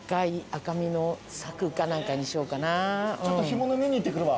ちょっと干物見に行ってくるわ。